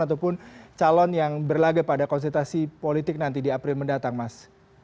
ataupun calon yang berlagak pada konsultasi politik nanti di april mendatang mas